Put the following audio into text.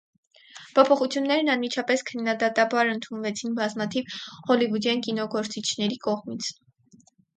Փոփոխություններն անմիջապես քննադատաբար ընդունվեցին բազմաթիվ հոլիվուդյան կինոգործիչների կողմից։